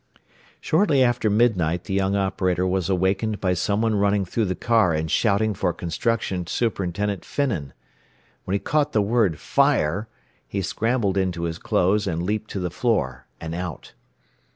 Shortly after midnight the young operator was awakened by someone running through the car and shouting for Construction Superintendent Finnan. When he caught the word "Fire!" he scrambled into his clothes and leaped to the floor, and out.